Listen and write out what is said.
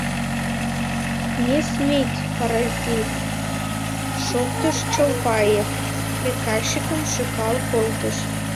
— Не сметь, паразит! — шоктыш Чолпаев, приказчикым шӱкал колтыш.